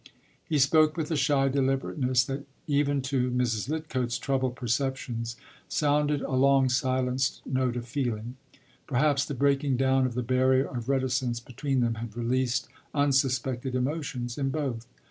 ” He spoke with a shy deliberateness that, even to Mrs. Lidcote’s troubled perceptions, sounded a long silenced note of feeling. Perhaps the breaking down of the barrier of reticence between them had released unsuspected emotions in both.